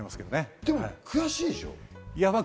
でも悔しいでしょ？